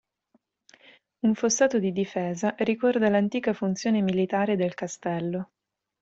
Un fossato di difesa, ricorda l'antica funzione militare del castello.